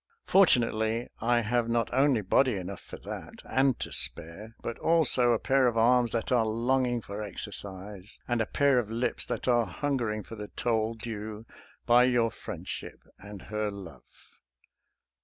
For tunately, I have not only body enough for that, and to spare, but also a pair of arms that are longing for exercise, and a pair of lips that are hungering for the toll due by your friendship and her love.